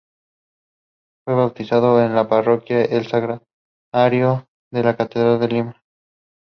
I tried something different.